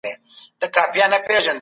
د ژمي په موسم کي تود پاته سئ.